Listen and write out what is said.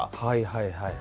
はいはい。